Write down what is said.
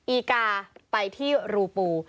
อีกาไปที่รูปู